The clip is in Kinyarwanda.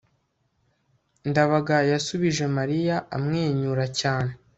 ndabaga yasubije mariya amwenyura cyane